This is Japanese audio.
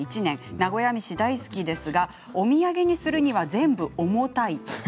名古屋めし大好きですがお土産にするには全部重たい。